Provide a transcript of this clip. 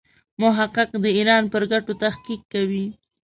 محقق د ایران پر ګټو تحقیق کوي.